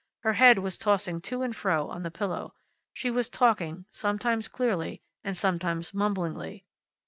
Her head was tossing to and fro on the pillow. She was talking, sometimes clearly, and sometimes mumblingly.